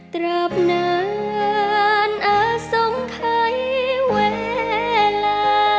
ตราบนานอาทรงไทยเวลา